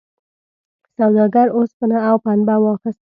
سوداګر اوسپنه او پنبه واخیسته.